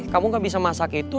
kamu gak bisa masak itu